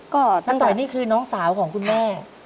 ก็ท่านต่อยนี่คือน้องสาวของคุณแม่